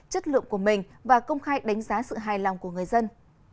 chất lượng của mình và công khai đánh giá sự hài lòng của người dân